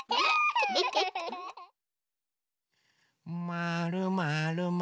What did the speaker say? まるまるまる。